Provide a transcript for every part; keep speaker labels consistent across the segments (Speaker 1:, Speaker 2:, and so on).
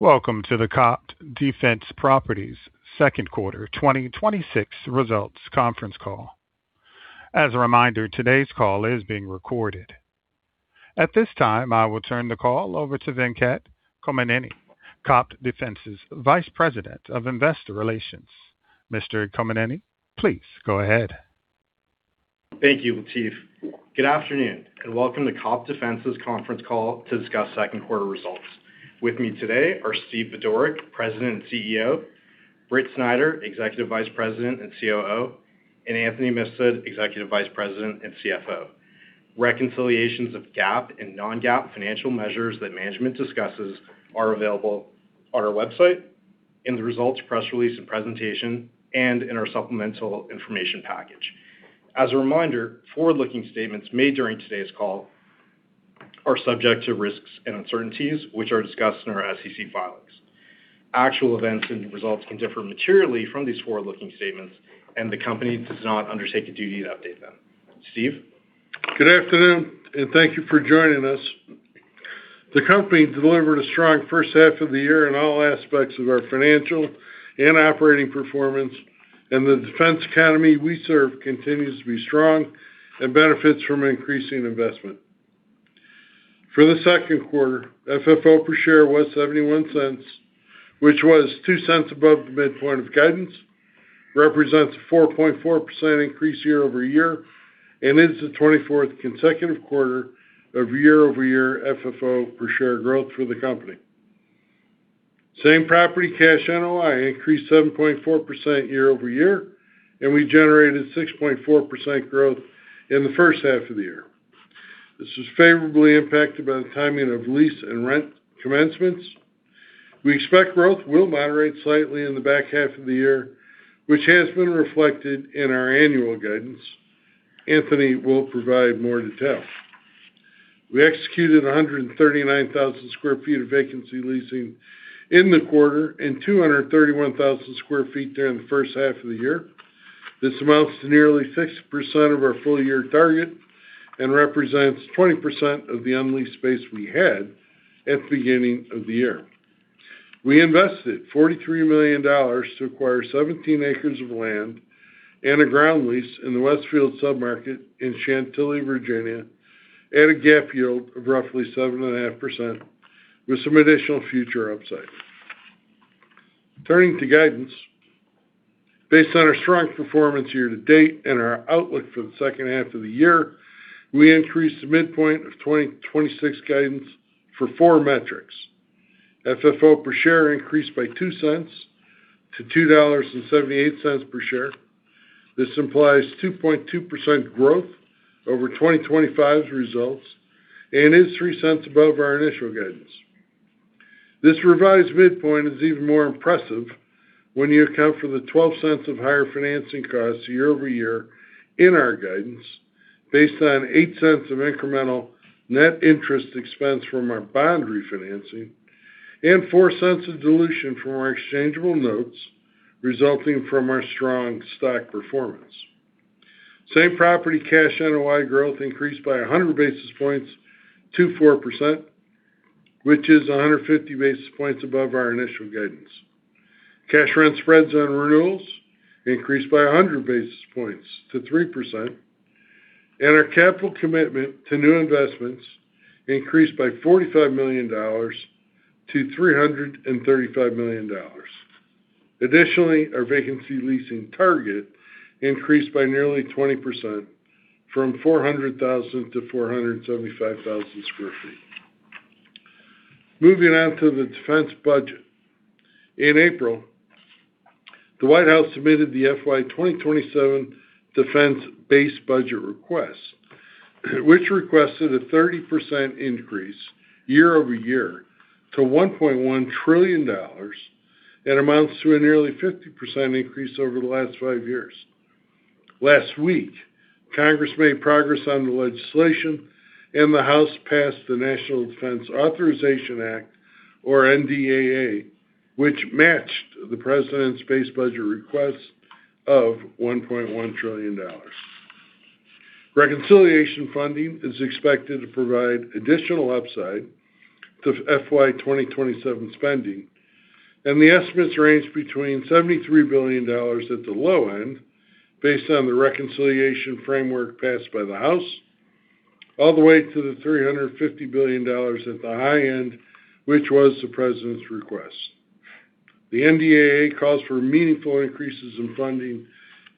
Speaker 1: Welcome to the COPT Defense Properties second quarter 2026 results conference call. As a reminder, today's call is being recorded. At this time, I will turn the call over to Venkat Kommineni, COPT Defense's Vice President of Investor Relations. Mr. Kommineni, please go ahead.
Speaker 2: Thank you, Lateef. Good afternoon. Welcome to COPT Defense's conference call to discuss second quarter results. With me today are Steve Budorick, President and CEO, Britt Snider, Executive Vice President and COO, and Anthony Mifsud, Executive Vice President and CFO. Reconciliations of GAAP and non-GAAP financial measures that management discusses are available on our website, in the results press release and presentation, and in our supplemental information package. As a reminder, forward-looking statements made during today's call are subject to risks and uncertainties, which are discussed in our SEC filings. Actual events and results can differ materially from these forward-looking statements. The company does not undertake a duty to update them. Steve?
Speaker 3: Good afternoon. Thank you for joining us. The company delivered a strong first half of the year in all aspects of our financial and operating performance. The defense economy we serve continues to be strong and benefits from increasing investment. For the second quarter, FFO per share was $0.71, which was $0.02 above the midpoint of guidance, represents a 4.4% increase year-over-year, and is the 24th consecutive quarter of year-over-year FFO per share growth for the company. Same property cash NOI increased 7.4% year-over-year. We generated 6.4% growth in the first half of the year. This was favorably impacted by the timing of lease and rent commencements. We expect growth will moderate slightly in the back half of the year, which has been reflected in our annual guidance. Anthony will provide more detail. We executed 139,000 sq ft of vacancy leasing in the quarter and 231,000 sq ft during the first half of the year. This amounts to nearly 6% of our full year target and represents 20% of the unleased space we had at the beginning of the year. We invested $43 million to acquire 17 acres of land and a ground lease in the Westfield submarket in Chantilly, Virginia, at a GAAP yield of roughly 7.5%, with some additional future upside. Turning to guidance. Based on our strong performance year to date and our outlook for the second half of the year, we increased the midpoint of 2026 guidance for four metrics. FFO per share increased by $0.02 to $2.78 per share. This implies 2.2% growth over 2025's results and is $0.03 above our initial guidance. This revised midpoint is even more impressive when you account for the $0.12 of higher financing costs year-over-year in our guidance, based on $0.08 of incremental net interest expense from our bond refinancing and $0.04 of dilution from our exchangeable notes resulting from our strong stock performance. Same property cash NOI growth increased by 100 basis points to 4%, which is 150 basis points above our initial guidance. Cash rent spreads on renewals increased by 100 basis points to 3%, and our capital commitment to new investments increased by $45 million-$335 million. Additionally, our vacancy leasing target increased by nearly 20%, from 400,000 sq ft-475,000 sq ft. Moving on to the defense budget. In April, the White House submitted the FY 2027 defense base budget request, which requested a 30% increase year-over-year to $1.1 trillion and amounts to a nearly 50% increase over the last five years. Last week, Congress made progress on the legislation, and the House passed the National Defense Authorization Act, or NDAA, which matched the president's base budget request of $1.1 trillion. Reconciliation funding is expected to provide additional upside to FY 2027 spending. The estimates range between $73 billion at the low end, based on the reconciliation framework passed by the House, all the way to the $350 billion at the high end, which was the president's request. The NDAA calls for meaningful increases in funding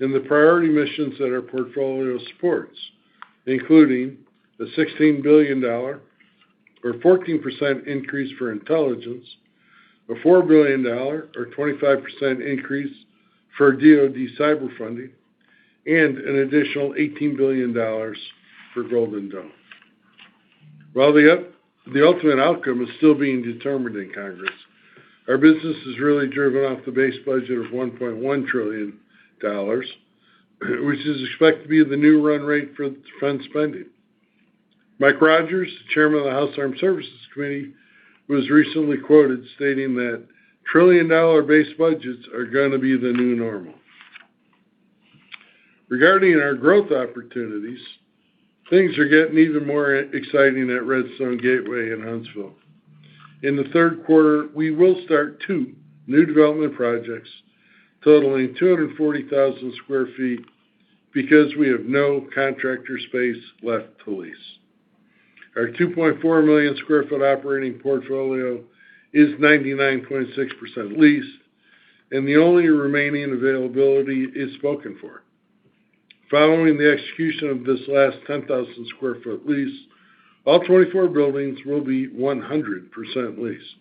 Speaker 3: in the priority missions that our portfolio supports, including the $16 billion or 14% increase for intelligence, a $4 billion or 25% increase for DoD cyber funding, and an additional $18 billion for Golden Dome. While the ultimate outcome is still being determined in Congress, our business is really driven off the base budget of $1.1 trillion, which is expected to be the new run rate for defense spending. Mike Rogers, Chairman of the House Armed Services Committee, was recently quoted stating that trillion-dollar base budgets are going to be the new normal. Regarding our growth opportunities, things are getting even more exciting at Redstone Gateway in Huntsville. In the third quarter, we will start two new development projects totaling 240,000 sq ft because we have no contractor space left to lease. Our 2.4 million sq ft operating portfolio is 99.6% leased, and the only remaining availability is spoken for. Following the execution of this last 10,000 sq ft lease, all 24 buildings will be 100% leased.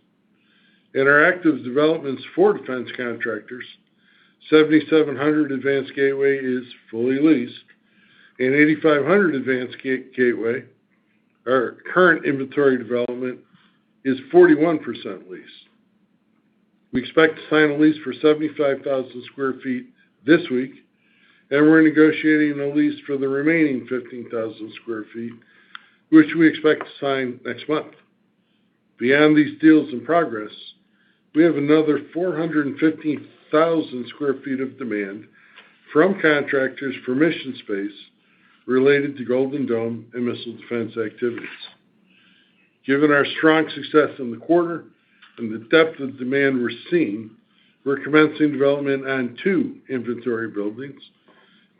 Speaker 3: In our active developments for defense contractors, 7,700 Advanced Gateway is fully leased, and 8,500 Advanced Gateway, our current inventory development is 41% leased. We expect to sign a lease for 75,000 sq ft this week, and we're negotiating a lease for the remaining 15,000 sq ft, which we expect to sign next month. Beyond these deals in progress, we have another 415,000 sq ft of demand from contractors for mission space related to Golden Dome and missile defense activities. Given our strong success in the quarter and the depth of demand we're seeing, we're commencing development on two inventory buildings,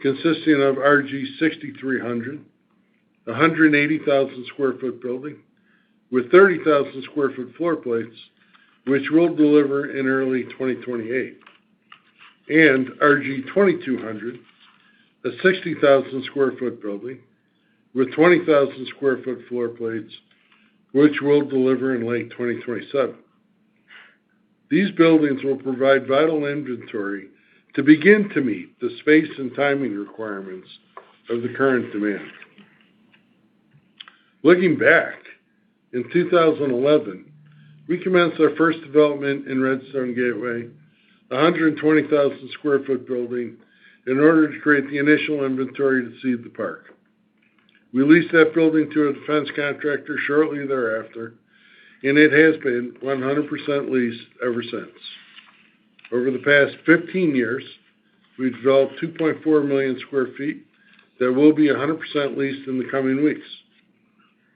Speaker 3: consisting of RG-6300, a 180,000 sq ft building, with 30,000 sq ft floor plates, which we'll deliver in early 2028. RG-2200, a 60,000 sq ft building, with 20,000 sq ft floor plates, which we'll deliver in late 2027. These buildings will provide vital inventory to begin to meet the space and timing requirements of the current demand. Looking back, in 2011, we commenced our first development in Redstone Gateway, a 120,000 sq ft building, in order to create the initial inventory to seed the park. We leased that building to a defense contractor shortly thereafter, and it has been 100% leased ever since. Over the past 15 years, we've developed 2.4 million sq ft that will be 100% leased in the coming weeks.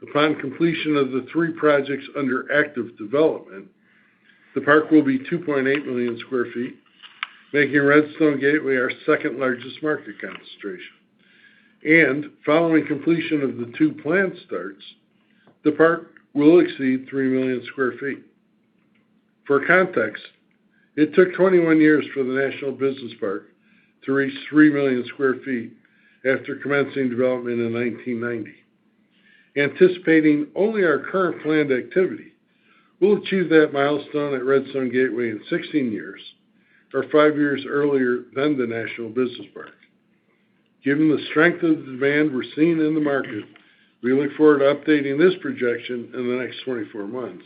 Speaker 3: Upon completion of the three projects under active development, the park will be 2.8 million sq ft, making Redstone Gateway our second-largest market concentration. Following completion of the two planned starts, the park will exceed three million sq ft. For context, it took 21 years for the National Business Park to reach three million sq ft after commencing development in 1990. Anticipating only our current planned activity, we'll achieve that milestone at Redstone Gateway in 16 years or five years earlier than the National Business Park. Given the strength of the demand we're seeing in the market, we look forward to updating this projection in the next 24 months.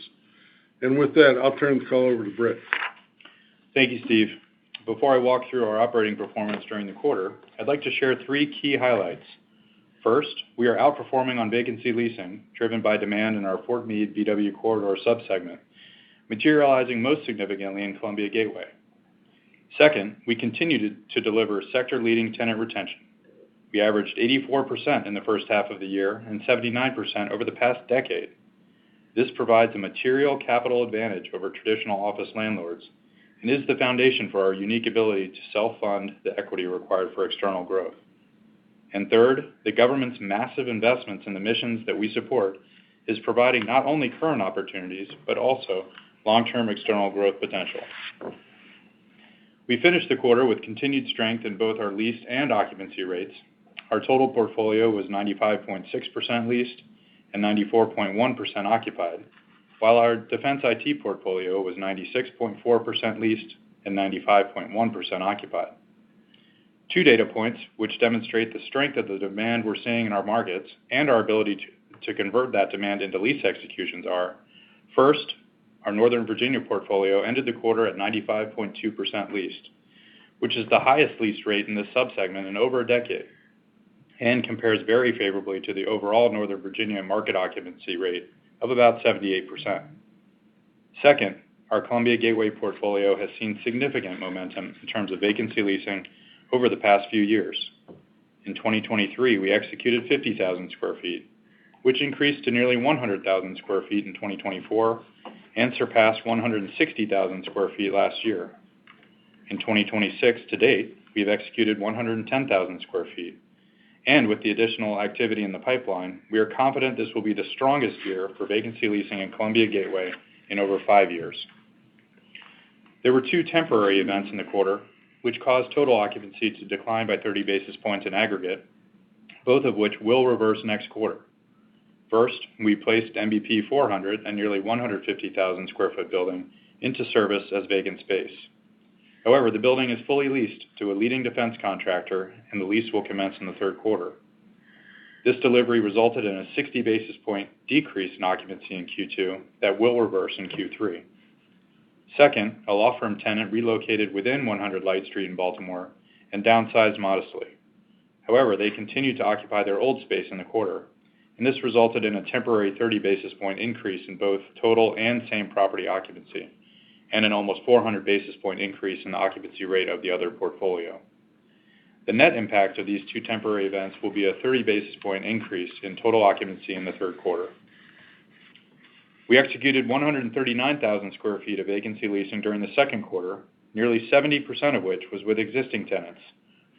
Speaker 3: With that, I'll turn the call over to Britt.
Speaker 4: Thank you, Steve. Before I walk through our operating performance during the quarter, I'd like to share three key highlights. First, we are outperforming on vacancy leasing, driven by demand in our Fort Meade/BW Corridor sub-segment, materializing most significantly in Columbia Gateway. Second, we continue to deliver sector leading tenant retention. We averaged 84% in the first half of the year and 79% over the past decade. This provides a material capital advantage over traditional office landlords and is the foundation for our unique ability to self-fund the equity required for external growth. Third, the Government's massive investments in the missions that we support is providing not only current opportunities, but also long-term external growth potential. We finished the quarter with continued strength in both our leased and occupancy rates. Our total portfolio was 95.6% leased and 94.1% occupied. While our defense IT portfolio was 96.4% leased and 95.1% occupied. Two data points, which demonstrate the strength of the demand we're seeing in our markets and our ability to convert that demand into lease executions are, first, our Northern Virginia portfolio ended the quarter at 95.2% leased, which is the highest lease rate in this sub-segment in over a decade, and compares very favorably to the overall Northern Virginia market occupancy rate of about 78%. Second, our Columbia Gateway portfolio has seen significant momentum in terms of vacancy leasing over the past few years. In 2023, we executed 50,000 sq ft, which increased to nearly 100,000 sq ft in 2024 and surpassed 160,000 sq ft last year. In 2026 to date, we've executed 110,000 sq ft. With the additional activity in the pipeline, we are confident this will be the strongest year for vacancy leasing in Columbia Gateway in over five years. There were two temporary events in the quarter, which caused total occupancy to decline by 30 basis points in aggregate, both of which will reverse next quarter. First, we placed MBP 400, a nearly 150,000 sq ft building, into service as vacant space. However, the building is fully leased to a leading defense contractor, and the lease will commence in the third quarter. This delivery resulted in a 60 basis point decrease in occupancy in Q2 that will reverse in Q3. Second, a law firm tenant relocated within 100 Light Street in Baltimore and downsized modestly. However, they continued to occupy their old space in the quarter. This resulted in a temporary 30 basis point increase in both total and same property occupancy, and an almost 400 basis point increase in the occupancy rate of the other portfolio. The net impact of these two temporary events will be a 30 basis point increase in total occupancy in the third quarter. We executed 139,000 sq ft of vacancy leasing during the second quarter, nearly 70% of which was with existing tenants,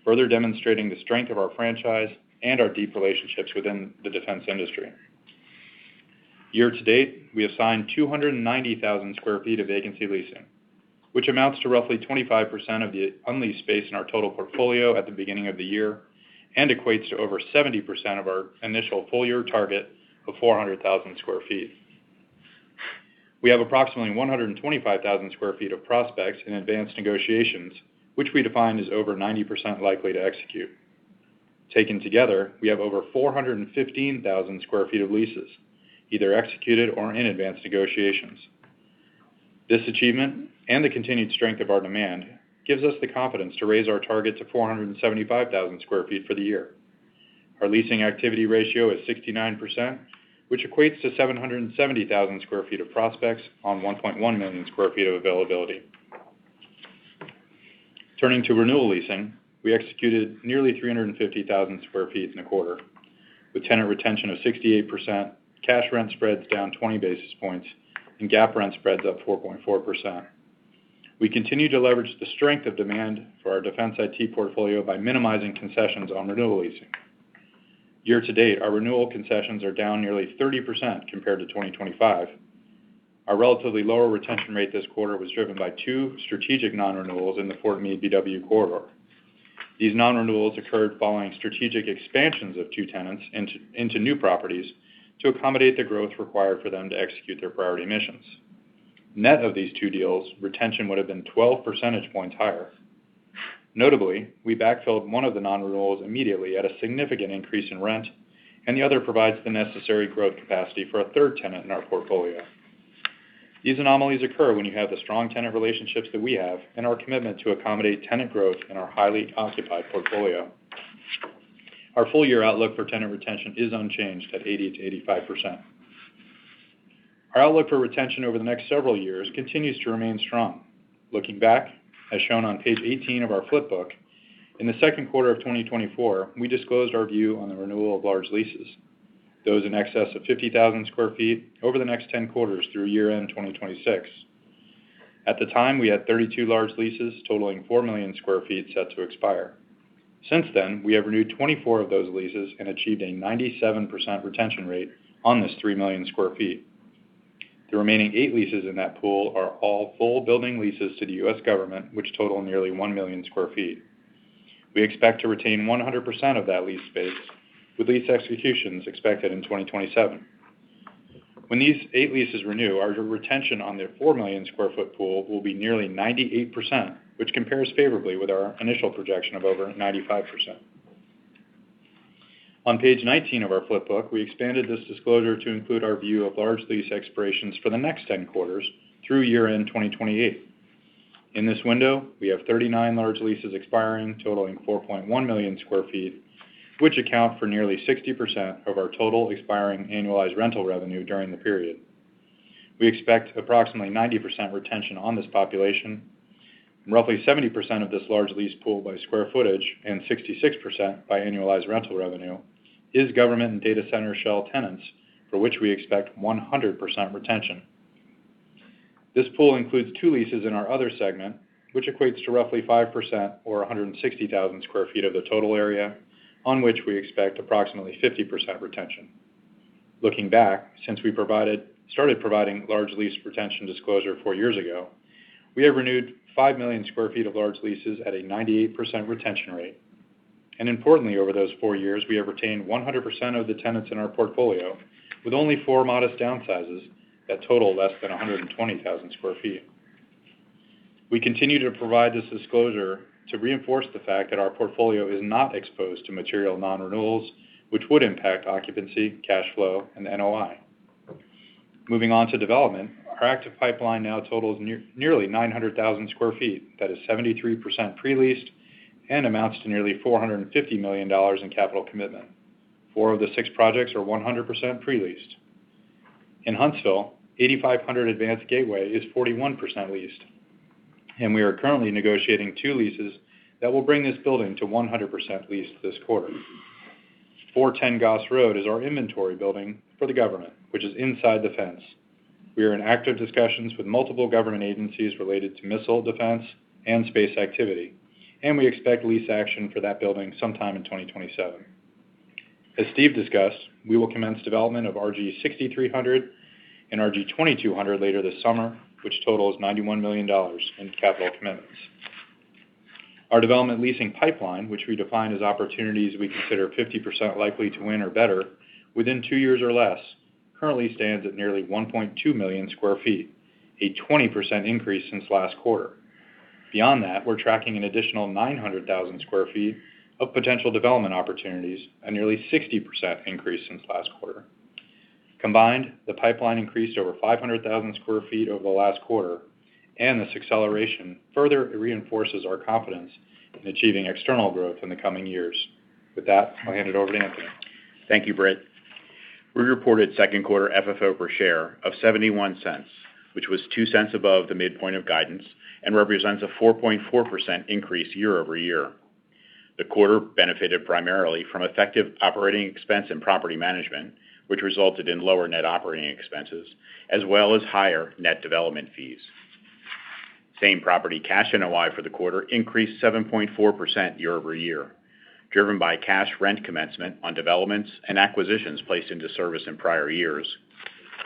Speaker 4: further demonstrating the strength of our franchise and our deep relationships within the defense industry. Year to date, we have signed 290,000 sq ft of vacancy leasing, which amounts to roughly 25% of the unleased space in our total portfolio at the beginning of the year, and equates to over 70% of our initial full year target of 400,000 sq ft. We have approximately 125,000 sq ft of prospects in advanced negotiations, which we define as over 90% likely to execute. Taken together, we have over 415,000 sq ft of leases either executed or in advanced negotiations. This achievement, and the continued strength of our demand, gives us the confidence to raise our target to 475,000 sq ft for the year. Our leasing activity ratio is 69%, which equates to 770,000 sq ft of prospects on 1.1 million sq ft of availability. Turning to renewal leasing, we executed nearly 350,000 sq ft in the quarter with tenant retention of 68%, cash rent spreads down 20 basis points, and GAAP rent spreads up 4.4%. We continue to leverage the strength of demand for our defense IT portfolio by minimizing concessions on renewal leasing. Year to date, our renewal concessions are down nearly 30% compared to 2025. Our relatively lower retention rate this quarter was driven by two strategic non-renewals in the Fort Meade/BW Corridor. These non-renewals occurred following strategic expansions of two tenants into new properties to accommodate the growth required for them to execute their priority missions. Net of these two deals, retention would've been 12 percentage points higher. Notably, we backfilled one of the non-renewals immediately at a significant increase in rent, and the other provides the necessary growth capacity for a third tenant in our portfolio. These anomalies occur when you have the strong tenant relationships that we have, and our commitment to accommodate tenant growth in our highly occupied portfolio. Our full year outlook for tenant retention is unchanged at 80%-85%. Our outlook for retention over the next several years continues to remain strong. Looking back, as shown on page 18 of our flip book, in the second quarter of 2024, we disclosed our view on the renewal of large leases, those in excess of 50,000 sq ft over the next 10 quarters through year end 2026. At the time, we had 32 large leases totaling four million sq ft set to expire. Since then, we have renewed 24 of those leases and achieved a 97% retention rate on this three million sq ft. The remaining eight leases in that pool are all full building leases to the U.S. Government, which total nearly one million sq ft. We expect to retain 100% of that leased space, with lease executions expected in 2027. When these eight leases renew, our retention on their four million sq ft pool will be nearly 98%, which compares favorably with our initial projection of over 95%. On page 19 of our flip book, we expanded this disclosure to include our view of large lease expirations for the next 10 quarters through year end 2028. In this window, we have 39 large leases expiring, totaling 4.1 million sq ft, which account for nearly 60% of our total expiring annualized rental revenue during the period. We expect approximately 90% retention on this population, and roughly 70% of this large lease pool by square footage, and 66% by annualized rental revenue, is government and data center shell tenants for which we expect 100% retention. This pool includes two leases in our other segment, which equates to roughly 5%, or 160,000 sq ft of the total area, on which we expect approximately 50% retention. Looking back, since we started providing large lease retention disclosure four years ago, we have renewed 5 million sq ft of large leases at a 98% retention rate. Importantly, over those four years, we have retained 100% of the tenants in our portfolio with only four modest downsizes that total less than 120,000 sq ft. We continue to provide this disclosure to reinforce the fact that our portfolio is not exposed to material non-renewals, which would impact occupancy, cash flow, and NOI. Moving on to development, our active pipeline now totals nearly 900,000 sq ft, that is 73% pre-leased, and amounts to nearly $450 million in capital commitment. Four of the six projects are 100% pre-leased. In Huntsville, 8500 Advanced Gateway is 41% leased, and we are currently negotiating two leases that will bring this building to 100% leased this quarter. 410 Goss Road is our inventory building for the government, which is inside the fence. We are in active discussions with multiple government agencies related to missile defense and space activity, and we expect lease action for that building sometime in 2027. As Steve discussed, we will commence development of RG 6300 and RG 2200 later this summer, which totals $91 million in capital commitments. Our development leasing pipeline, which we define as opportunities we consider 50% likely to win or better within two years or less, currently stands at nearly 1.2 million sq ft, a 20% increase since last quarter. Beyond that, we are tracking an additional 900,000 sq ft of potential development opportunities, a nearly 60% increase since last quarter. Combined, the pipeline increased over 500,000 sq ft over the last quarter. This acceleration further reinforces our confidence in achieving external growth in the coming years. With that, I'll hand it over to Anthony.
Speaker 5: Thank you, Britt. We reported second quarter FFO per share of $0.71, which was $0.02 above the midpoint of guidance and represents a 4.4% increase year-over-year. The quarter benefited primarily from effective operating expense and property management, which resulted in lower net operating expenses, as well as higher net development fees. Same-property cash NOI for the quarter increased 7.4% year-over-year, driven by cash rent commencement on developments and acquisitions placed into service in prior years.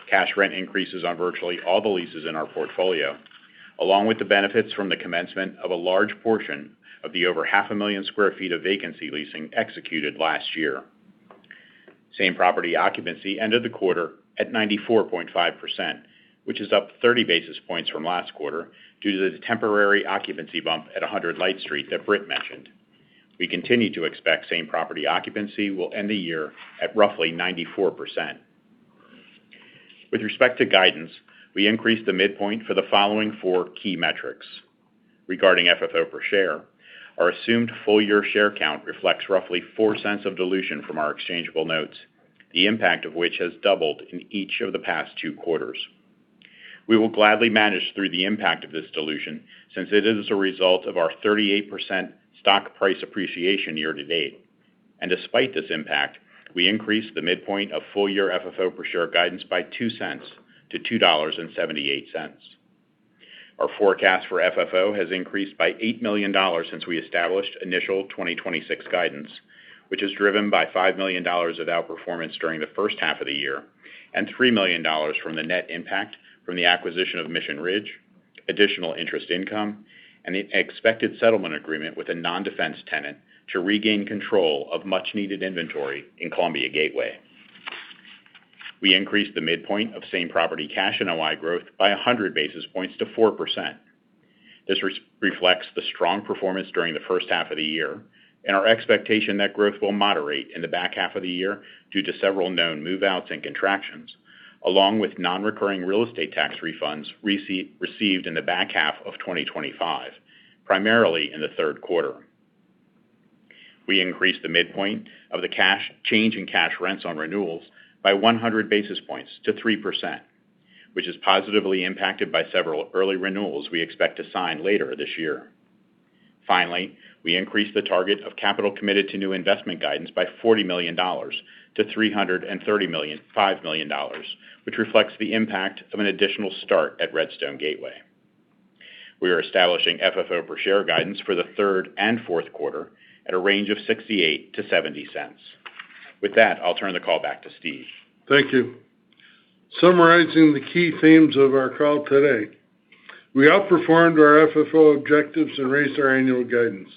Speaker 5: Cash rent increases on virtually all the leases in our portfolio, along with the benefits from the commencement of a large portion of the over half a million square feet of vacancy leasing executed last year. Same-property occupancy ended the quarter at 94.5%, which is up 30 basis points from last quarter due to the temporary occupancy bump at 100 Light Street that Britt mentioned. We continue to expect same-property occupancy will end the year at roughly 94%. With respect to guidance, we increased the midpoint for the following four key metrics. Regarding FFO per share, our assumed full-year share count reflects roughly $0.04 of dilution from our exchangeable notes, the impact of which has doubled in each of the past two quarters. We will gladly manage through the impact of this dilution, since it is a result of our 38% stock price appreciation year-to-date. Despite this impact, we increased the midpoint of full year FFO per share guidance by $0.02-$2.78. Our forecast for FFO has increased by $8 million since we established initial 2026 guidance, which is driven by $5 million of outperformance during the first half of the year, and $3 million from the net impact from the acquisition of Mission Ridge, additional interest income, and an expected settlement agreement with a non-defense tenant to regain control of much-needed inventory in Columbia Gateway. We increased the midpoint of same-property cash NOI growth by 100 basis points to 4%. This reflects the strong performance during the first half of the year. Our expectation that growth will moderate in the back half of the year due to several known move-outs and contractions, along with non-recurring real estate tax refunds received in the back half of 2025, primarily in the third quarter. We increased the midpoint of the change in cash rents on renewals by 100 basis points to 3%, which is positively impacted by several early renewals we expect to sign later this year. Finally, we increased the target of capital committed to new investment guidance by $40 million-$335 million, which reflects the impact of an additional start at Redstone Gateway. We are establishing FFO per share guidance for the third and fourth quarter at a range of $0.68-$0.70. With that, I'll turn the call back to Steve.
Speaker 3: Thank you. Summarizing the key themes of our call today, we outperformed our FFO objectives and raised our annual guidance,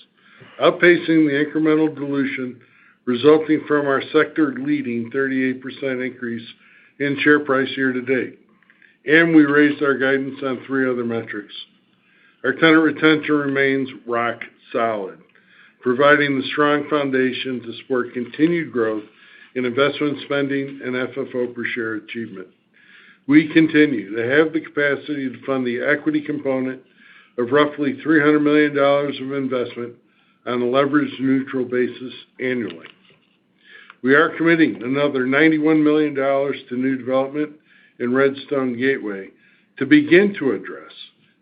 Speaker 3: outpacing the incremental dilution resulting from our sector-leading 38% increase in share price year to date. We raised our guidance on three other metrics. Our tenant retention remains rock solid, providing the strong foundation to support continued growth in investment spending and FFO per share achievement. We continue to have the capacity to fund the equity component of roughly $300 million of investment on a leverage-neutral basis annually. We are committing another $91 million to new development in Redstone Gateway to begin to address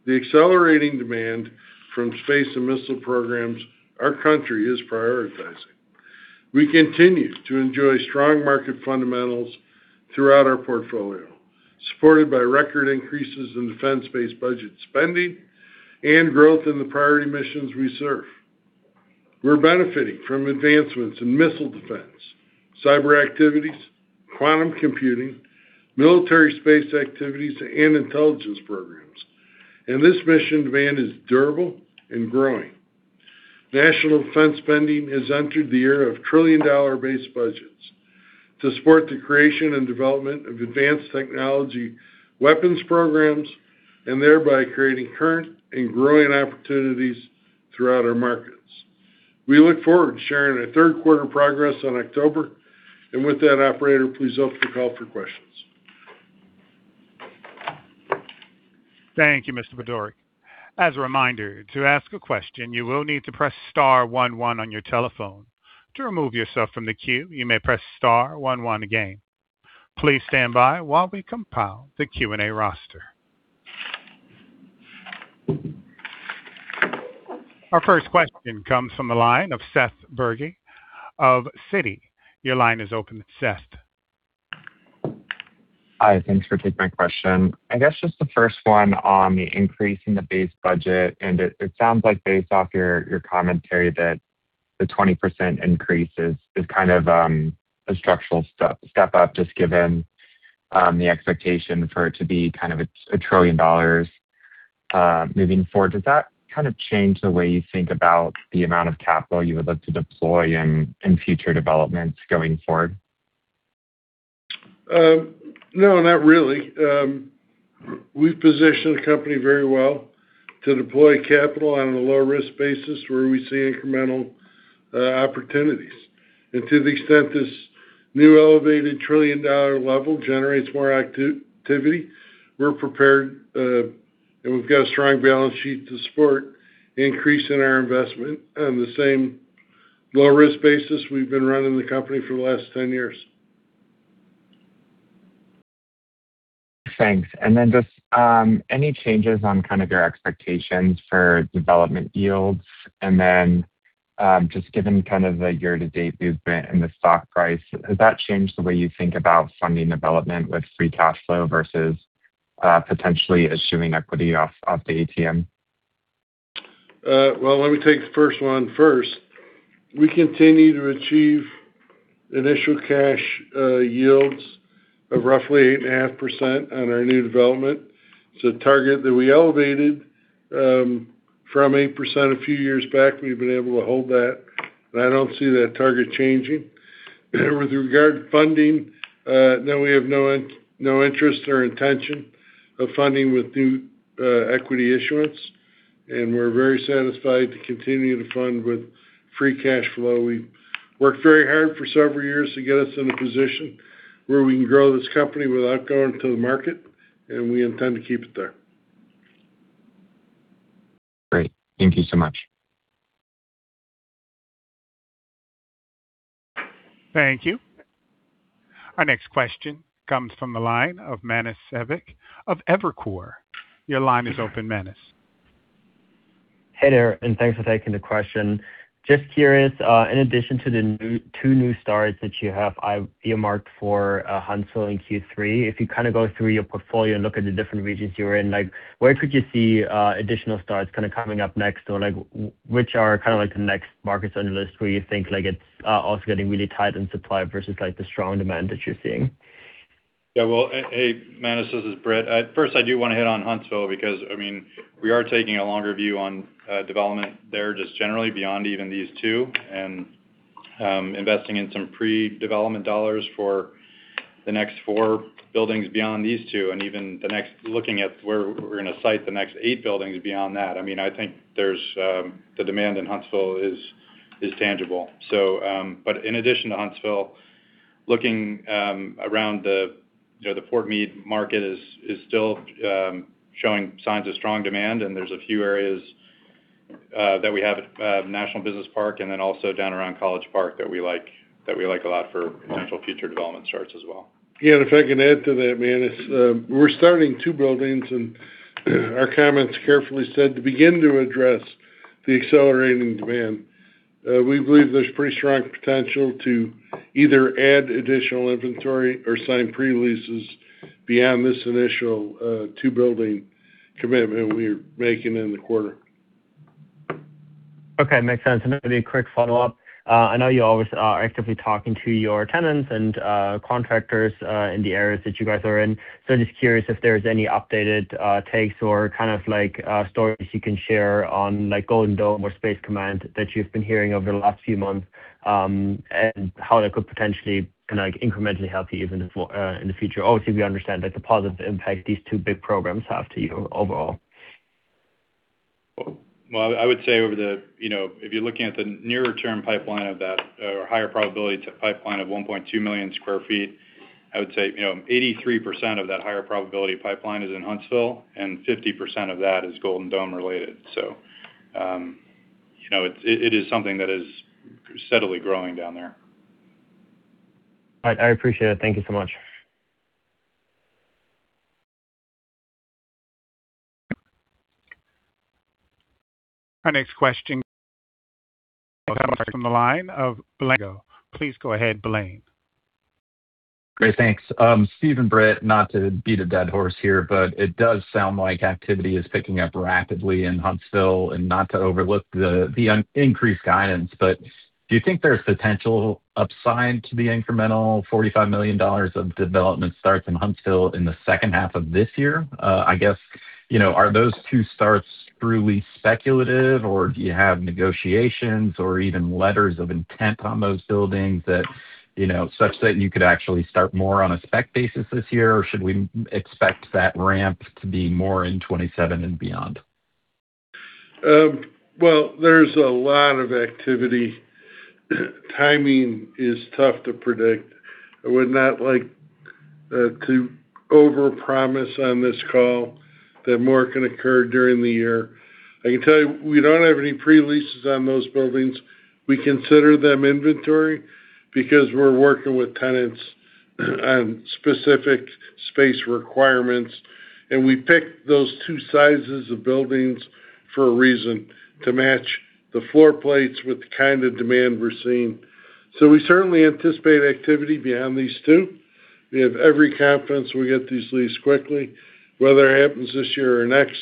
Speaker 3: the accelerating demand from space and missile programs our country is prioritizing. We continue to enjoy strong market fundamentals throughout our portfolio, supported by record increases in defense-based budget spending and growth in the priority missions we serve. We're benefiting from advancements in missile defense, cyber activities, quantum computing, military space activities, and intelligence programs. This mission demand is durable and growing. National defense spending has entered the era of trillion-dollar base budgets to support the creation and development of advanced technology weapons programs, thereby creating current and growing opportunities throughout our markets. We look forward to sharing our third quarter progress in October. With that, operator, please open the call for questions.
Speaker 1: Thank you, Mr. Budorick. As a reminder, to ask a question, you will need to press star one one on your telephone. To remove yourself from the queue, you may press star one one again. Please stand by while we compile the Q&A roster. Our first question comes from the line of Seth Bergey of Citi. Your line is open, Seth.
Speaker 6: Hi, thanks for taking my question. I guess just the first one on the increase in the base budget. It sounds like based off your commentary, that the 20% increase is kind of a structural step up, just given the expectation for it to be kind of a $1 trillion moving forward. Does that kind of change the way you think about the amount of capital you would look to deploy in future developments going forward?
Speaker 3: No, not really. We've positioned the company very well to deploy capital on a low-risk basis where we see incremental opportunities. To the extent this new elevated $1 trillion level generates more activity, we're prepared, and we've got a strong balance sheet to support the increase in our investment on the same low-risk basis we've been running the company for the last 10 years.
Speaker 6: Thanks. Just any changes on kind of your expectations for development yields? Just given kind of the year-to-date movement in the stock price, has that changed the way you think about funding development with free cash flow versus, potentially issuing equity off the ATM?
Speaker 3: Well, let me take the first one first. We continue to achieve initial cash yields of roughly 8.5% on our new development. It's a target that we elevated from 8% a few years back. We've been able to hold that. I don't see that target changing. With regard to funding, no, we have no interest or intention of funding with new equity issuance. We're very satisfied to continue to fund with free cash flow. We've worked very hard for several years to get us in a position where we can grow this company without going to the market. We intend to keep it there.
Speaker 6: Great. Thank you so much.
Speaker 1: Thank you. Our next question comes from the line of Manus Ebbecke of Evercore. Your line is open, Manus.
Speaker 7: Hey there, thanks for taking the question. Just curious, in addition to the two new starts that you have earmarked for Huntsville in Q3, if you kind of go through your portfolio and look at the different regions you're in, where could you see additional starts kind of coming up next? Or which are kind of like the next markets on your list where you think it's also getting really tight in supply versus the strong demand that you're seeing?
Speaker 4: Yeah. Well, hey, Manus, this is Britt. First, I do want to hit on Huntsville because we are taking a longer view on development there, just generally beyond even these two, investing in some pre-development dollars for the next four buildings beyond these two, even looking at where we're going to site the next eight buildings beyond that. I think the demand in Huntsville is tangible. In addition to Huntsville, looking around the Fort Meade market is still showing signs of strong demand, there's a few areas that we have at National Business Park and then also down around College Park that we like a lot for potential future development starts as well.
Speaker 3: Yeah, if I can add to that, Manus, we're starting two buildings. Our comments carefully said to begin to address the accelerating demand. We believe there's pretty strong potential to either add additional inventory or sign pre-leases beyond this initial two-building commitment we're making in the quarter.
Speaker 7: Okay. Makes sense. Maybe a quick follow-up. I know you always are actively talking to your tenants and contractors in the areas that you guys are in. I'm just curious if there's any updated takes or kind of stories you can share on Golden Dome or Space Command that you've been hearing over the last few months, and how that could potentially kind of incrementally help you even in the future. Obviously, we understand the positive impact these two big programs have to you overall.
Speaker 4: Well, I would say if you're looking at the nearer term pipeline of that or higher probability to pipeline of 1.2 million sq ft, I would say 83% of that higher probability pipeline is in Huntsville, and 50% of that is Golden Dome related. It is something that is steadily growing down there.
Speaker 7: All right. I appreciate it. Thank you so much.
Speaker 1: Our next question comes from the line of Blaine Heck. Please go ahead, Blaine.
Speaker 8: Great. Thanks. Steve and Britt, not to beat a dead horse here, it does sound like activity is picking up rapidly in Huntsville. Not to overlook the increased guidance, do you think there's potential upside to the incremental $45 million of development starts in Huntsville in the second half of this year? I guess, are those two starts truly speculative, or do you have negotiations or even letters of intent on those buildings such that you could actually start more on a spec basis this year, or should we expect that ramp to be more in 2027 and beyond?
Speaker 3: Well, there's a lot of activity. Timing is tough to predict. I would not like to overpromise on this call that more can occur during the year. I can tell you, we don't have any pre-leases on those buildings. We consider them inventory because we're working with tenants on specific space requirements, and we picked those two sizes of buildings for a reason, to match the floor plates with the kind of demand we're seeing. We certainly anticipate activity beyond these two. We have every confidence we'll get these leased quickly. Whether it happens this year or next,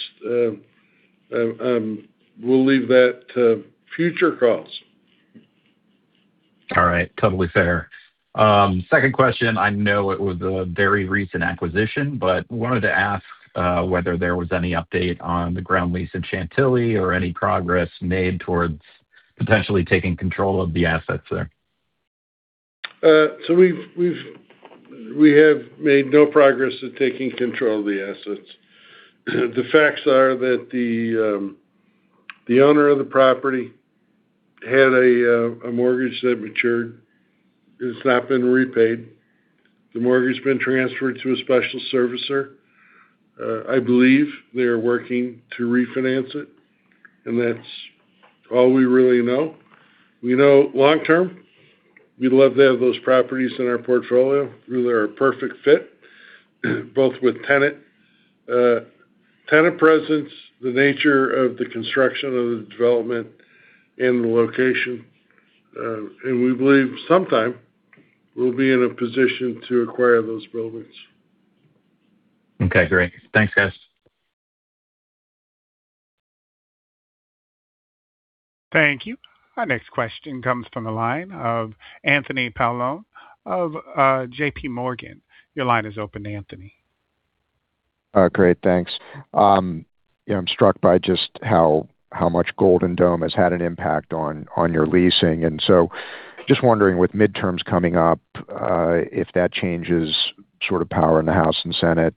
Speaker 3: we'll leave that to future calls.
Speaker 8: All right. Totally fair. Second question. I know it was a very recent acquisition, wanted to ask whether there was any update on the ground lease in Chantilly or any progress made towards potentially taking control of the assets there.
Speaker 3: We have made no progress at taking control of the assets. The facts are that the owner of the property had a mortgage that matured. It has not been repaid. The mortgage has been transferred to a special servicer. I believe they are working to refinance it, and that is all we really know. We know long term, we would love to have those properties in our portfolio. Really are a perfect fit, both with tenant presence, the nature of the construction of the development, and the location. We believe sometime we will be in a position to acquire those buildings.
Speaker 8: Okay, great. Thanks, guys.
Speaker 1: Thank you. Our next question comes from the line of Anthony Paolone of JPMorgan. Your line is open, Anthony.
Speaker 9: Great, thanks. I am struck by just how much Golden Dome has had an impact on your leasing, and so just wondering with midterms coming up, if that changes power in the House and Senate.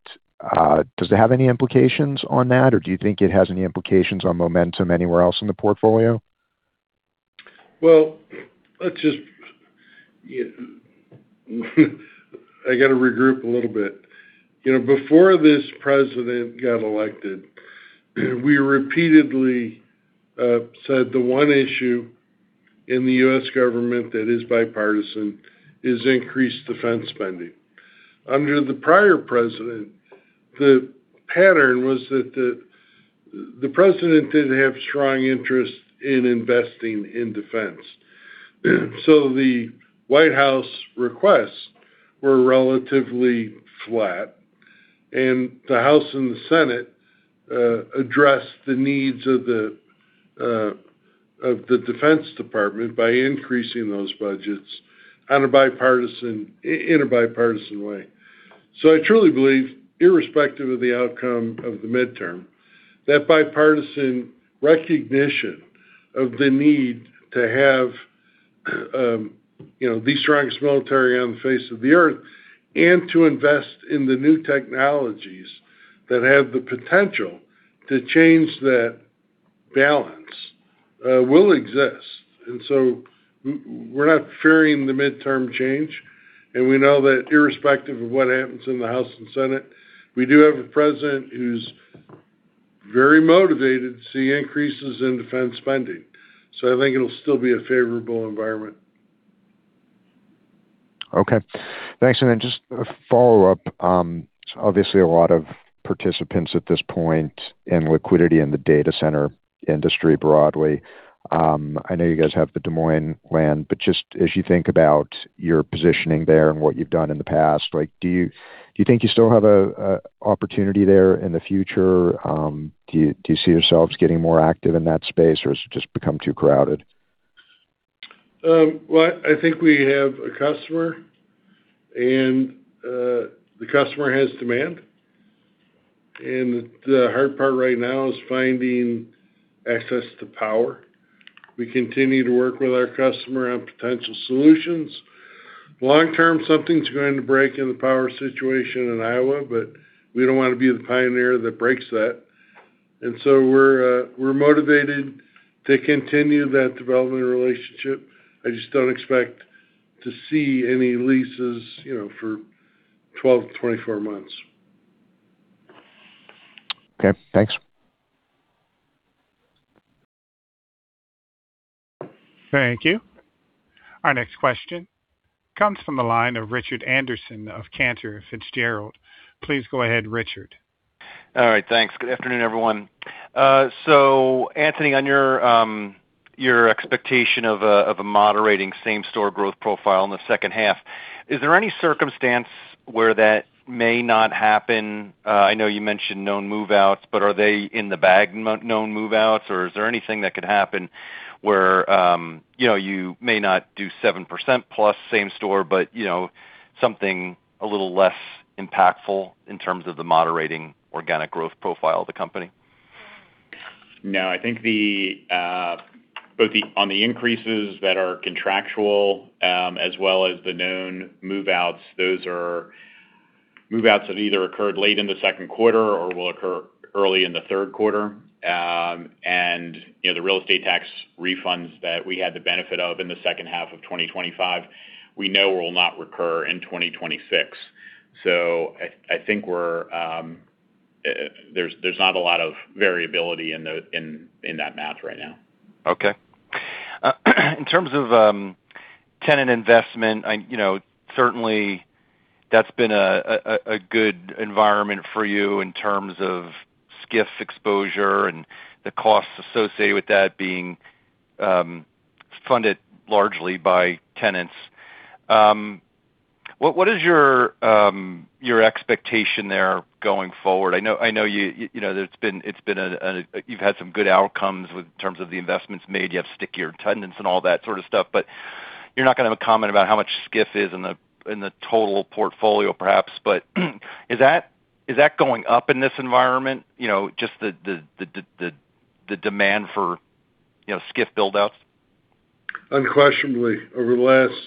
Speaker 9: Does it have any implications on that, or do you think it has any implications on momentum anywhere else in the portfolio?
Speaker 3: I got to regroup a little bit. Before this president got elected, we repeatedly said the one issue in the U.S. Government that is bipartisan is increased defense spending. Under the prior president, the pattern was that the president didn't have strong interest in investing in defense. The White House requests were relatively flat, and the House and the Senate addressed the needs of the Department of Defense by increasing those budgets in a bipartisan way. I truly believe, irrespective of the outcome of the midterm, that bipartisan recognition of the need to have the strongest military on the face of the Earth and to invest in the new technologies that have the potential to change that balance will exist. We're not fearing the midterm change, and we know that irrespective of what happens in the House and Senate, we do have a president who's very motivated to see increases in defense spending. I think it'll still be a favorable environment.
Speaker 9: Okay. Thanks. Just a follow-up. Obviously, a lot of participants at this point in liquidity in the data center industry broadly. I know you guys have the Des Moines land, but just as you think about your positioning there and what you've done in the past, do you think you still have an opportunity there in the future? Do you see yourselves getting more active in that space, or has it just become too crowded?
Speaker 3: I think we have a customer, and the customer has demand. The hard part right now is finding access to power. We continue to work with our customer on potential solutions. Long term, something's going to break in the power situation in Iowa, but we don't want to be the pioneer that breaks that. We're motivated to continue that development relationship. I just don't expect to see any leases for 12 months-24 months.
Speaker 9: Okay, thanks.
Speaker 1: Thank you. Our next question comes from the line of Richard Anderson of Cantor Fitzgerald. Please go ahead, Richard.
Speaker 10: All right. Thanks. Good afternoon, everyone. Anthony, on your expectation of a moderating same-store growth profile in the second half, is there any circumstance where that may not happen? I know you mentioned known move-outs, but are they in the bag known move-outs, or is there anything that could happen where you may not do 7%+ same store, but something a little less impactful in terms of the moderating organic growth profile of the company?
Speaker 5: I think both on the increases that are contractual, as well as the known move-outs, those are move-outs that either occurred late in the second quarter or will occur early in the third quarter. The real estate tax refunds that we had the benefit of in the second half of 2025, we know will not recur in 2026. I think there's not a lot of variability in that math right now.
Speaker 10: Okay. In terms of tenant investment, certainly that's been a good environment for you in terms of SCIF exposure and the costs associated with that being funded largely by tenants. What is your expectation there going forward? I know you've had some good outcomes in terms of the investments made. You have stickier tenants and all that sort of stuff, you're not going to have a comment about how much SCIF is in the total portfolio, perhaps. Is that going up in this environment? Just the demand for, you know, SCIF buildouts.
Speaker 3: Unquestionably. Over the last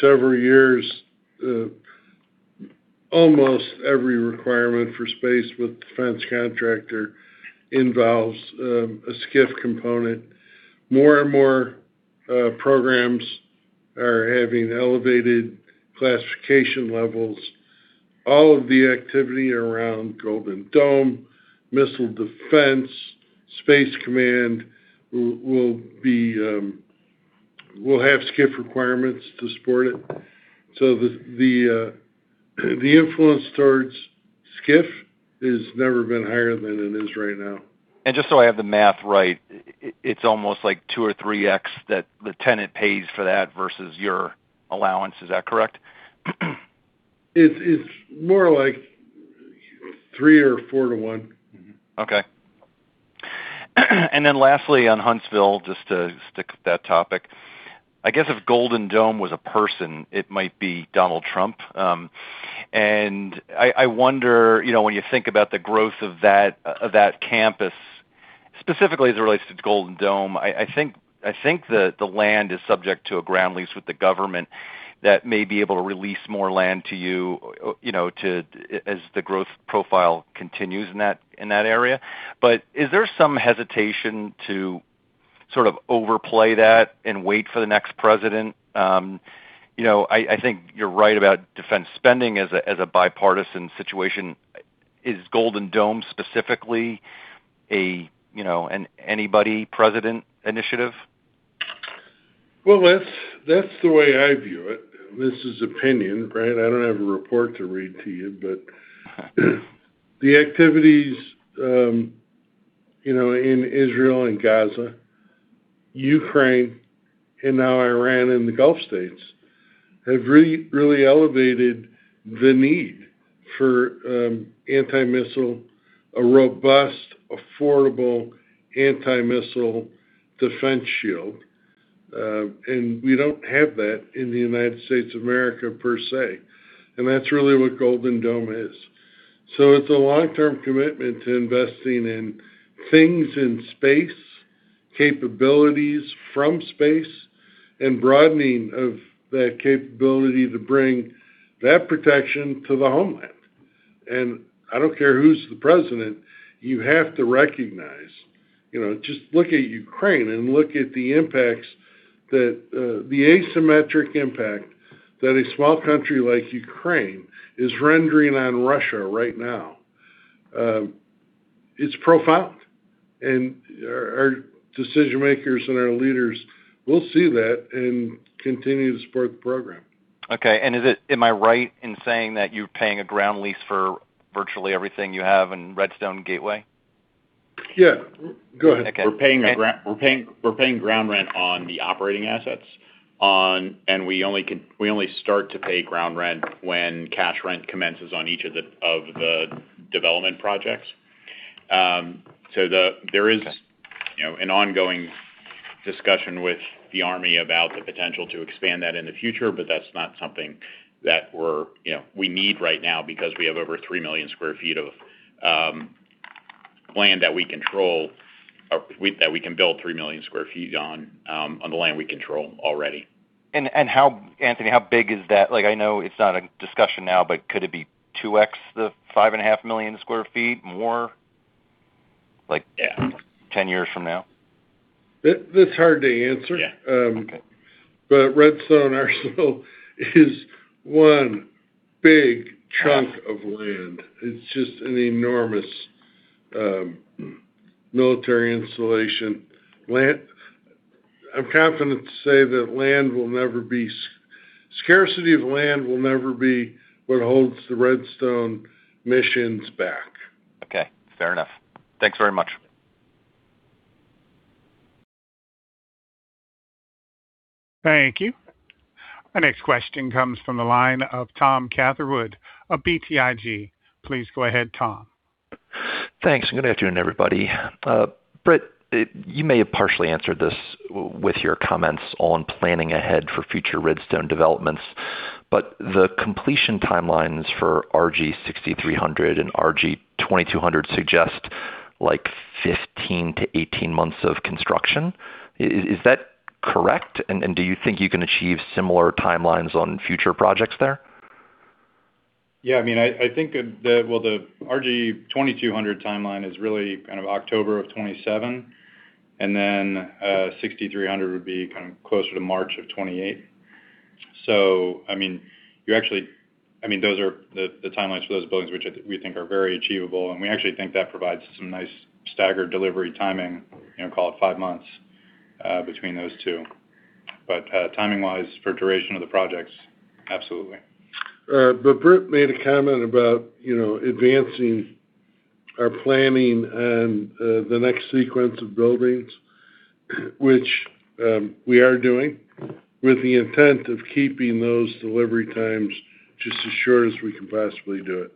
Speaker 3: several years, almost every requirement for space with defense contractor involves a SCIF component. More and more programs are having elevated classification levels. All of the activity around Golden Dome, Missile Defense, Space Command, will have SCIF requirements to support it. The influence towards SCIF has never been higher than it is right now.
Speaker 10: Just so I have the math right, it's almost like 2x or 3x that the tenant pays for that versus your allowance. Is that correct?
Speaker 3: It's more like three or four to one.
Speaker 10: Lastly, on Huntsville, just to stick with that topic. I guess if Golden Dome was a person, it might be Donald Trump. I wonder when you think about the growth of that campus, specifically as it relates to Golden Dome, I think that the land is subject to a ground lease with the government that may be able to release more land to you as the growth profile continues in that area. Is there some hesitation to sort of overplay that and wait for the next president? I think you're right about defense spending as a bipartisan situation. Is Golden Dome specifically an anybody president initiative?
Speaker 3: Well, that's the way I view it. This is opinion, I don't have a report to read to you, the activities in Israel and Gaza, Ukraine, and now Iran and the Gulf States have really elevated the need for anti-missile, a robust, affordable anti-missile defense shield. We don't have that in the United States of America, per se, and that's really what Golden Dome is. It's a long-term commitment to investing in things in space, capabilities from space, and broadening of that capability to bring that protection to the homeland. I don't care who's the president, you have to recognize. Just look at Ukraine and look at the impacts that the asymmetric impact that a small country like Ukraine is rendering on Russia right now. It's profound, our decision-makers and our leaders will see that and continue to support the program.
Speaker 10: Okay. Am I right in saying that you're paying a ground lease for virtually everything you have in Redstone Gateway?
Speaker 3: Yeah, go ahead.
Speaker 5: We're paying ground rent on the operating assets, and we only start to pay ground rent when cash rent commences on each of the development projects. There is an ongoing discussion with the U.S. Army about the potential to expand that in the future, but that's not something that we need right now because we have over 3 million sq ft of land that we control, or that we can build 3 million sq ft on the land we control already.
Speaker 10: Anthony, how big is that? I know it's not a discussion now, but could it be 2x the 5.5 million sq ft?
Speaker 5: Yeah.
Speaker 10: 10 years from now?
Speaker 3: That's hard to answer.
Speaker 10: Yeah. Okay.
Speaker 3: Redstone Arsenal is one big chunk of land. It's just an enormous military installation. I'm confident to say that scarcity of land will never be what holds the Redstone missions back.
Speaker 10: Okay, fair enough. Thanks very much.
Speaker 1: Thank you. Our next question comes from the line of Thomas Catherwood of BTIG. Please go ahead, Tom.
Speaker 11: Thanks, good afternoon, everybody. Britt, you may have partially answered this with your comments on planning ahead for future Redstone developments, the completion timelines for RG-6300 and RG-2200 suggest like 15 months-18 months of construction. Is that correct? Do you think you can achieve similar timelines on future projects there?
Speaker 4: Yeah, I think, well, the RG-2200 timeline is really kind of October of 2027, then 6300 would be kind of closer to March of 2028. Those are the timelines for those buildings, which we think are very achievable, and we actually think that provides some nice staggered delivery timing, call it five months, between those two. Timing wise for duration of the projects, absolutely.
Speaker 3: Britt made a comment about advancing our planning and the next sequence of buildings, which we are doing with the intent of keeping those delivery times just as short as we can possibly do it.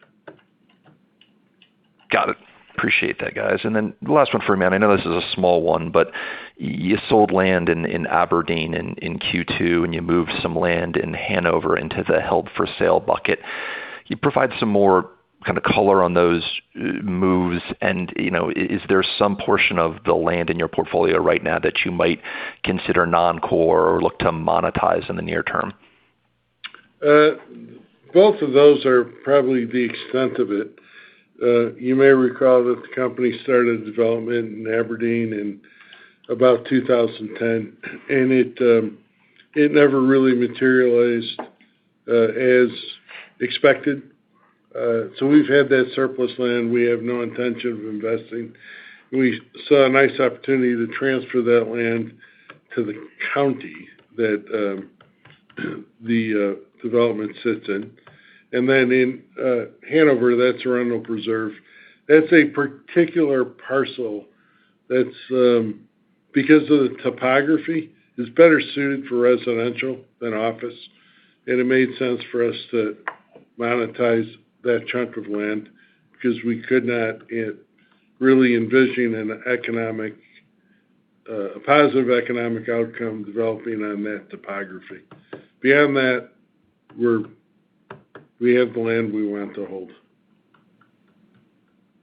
Speaker 11: Got it. Appreciate that, guys. The last one for me, I know this is a small one, but you sold land in Aberdeen in Q2, and you moved some land in Hanover into the held-for-sale bucket. Can you provide some more kind of color on those moves? Is there some portion of the land in your portfolio right now that you might consider non-core or look to monetize in the near term?
Speaker 3: Both of those are probably the extent of it. You may recall that the company started development in Aberdeen in about 2010, it never really materialized as expected. We've had that surplus land. We have no intention of investing. We saw a nice opportunity to transfer that land to the county that the development sits in. In Hanover, that's Arundel Preserve. That's a particular parcel that, because of the topography, is better suited for residential than office. It made sense for us to monetize that chunk of land because we could not really envision a positive economic outcome developing on that topography. Beyond that, we have the land we want to hold.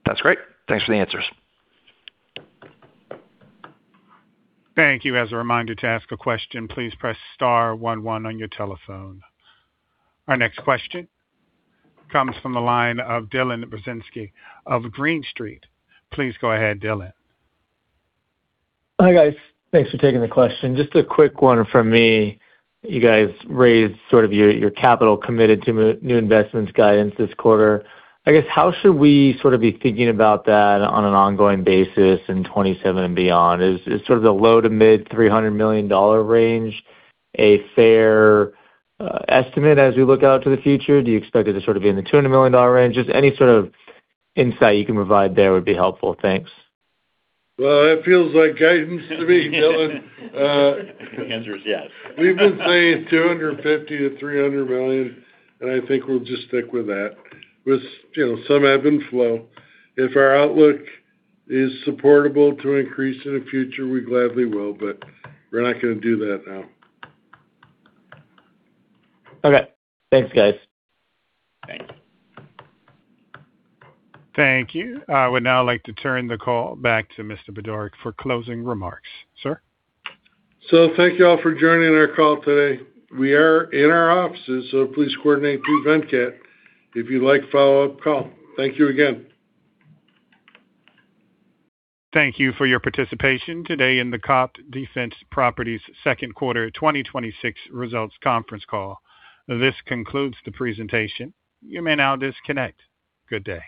Speaker 11: That's great. Thanks for the answers.
Speaker 1: Thank you. As a reminder, to ask a question, please press star one one on your telephone. Our next question comes from the line of Dylan Burzinski of Green Street. Please go ahead, Dylan.
Speaker 12: Hi, guys. Thanks for taking the question. Just a quick one from me. You guys raised sort of your capital committed to new investments guidance this quarter. I guess, how should we sort of be thinking about that on an ongoing basis in 2027 and beyond? Is sort of the low to mid $300 million range a fair estimate as we look out to the future? Do you expect it to sort of be in the $200 million range? Just any sort of insight you can provide there would be helpful. Thanks.
Speaker 3: Well, that feels like guidance to me, Dylan.
Speaker 12: The answer is yes.
Speaker 3: We've been saying $250 million-$300 million, and I think we'll just stick with that. With some ebb and flow. If our outlook is supportable to increase in the future, we gladly will, but we're not going to do that now.
Speaker 12: Okay. Thanks, guys.
Speaker 3: Thanks.
Speaker 1: Thank you. I would now like to turn the call back to Mr. Budorick for closing remarks. Sir?
Speaker 3: Thank you all for joining our call today. We are in our offices, so please coordinate through Venkat if you'd like a follow-up call. Thank you again.
Speaker 1: Thank you for your participation today in the COPT Defense Properties Second Quarter 2026 Results Conference Call. This concludes the presentation. You may now disconnect. Good day.